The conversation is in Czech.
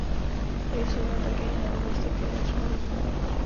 Jsou ale také jiné oblasti, které je třeba rozvinout.